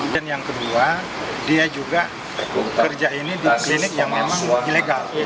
dan yang kedua dia juga kerja ini di klinik yang memang ilegal